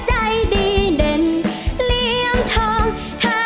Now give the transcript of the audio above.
ใจรองได้ช่วยกันรองด้วยนะคะ